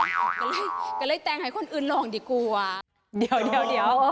ก็เลยก็เลยแต่งให้คนอื่นรองดิกูอะเดี๋ยวเดี๋ยวเดี๋ยว